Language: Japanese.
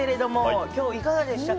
今日はいかがでしたか？